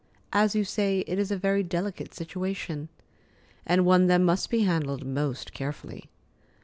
As you say, it is a very delicate situation, and one that must be handled most carefully.